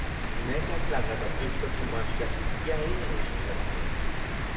Neka tlakatl okijto kimoaxkatiskia inin ichpokatsin.